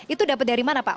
itu dapat dari mana pak